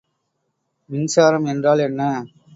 மின்சாரம் என்றால் என்ன?